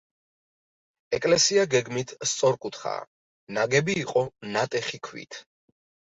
ეკლესია გეგმით სწორკუთხაა, ნაგები იყო ნატეხი ქვით.